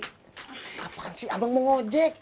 kenapa kan sih abang mau ngojek